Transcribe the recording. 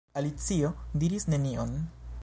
Alicio diris nenion.